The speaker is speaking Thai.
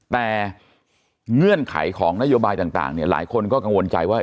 แต่เงื่อนไขของนโยบายต่างเนี่ยหลายคนก็กังวลใจว่า